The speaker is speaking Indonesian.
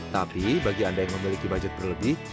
tapi bagi anda yang memiliki budget berlebih